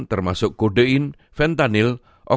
termasuk codein fentanil oksikodon dan metadon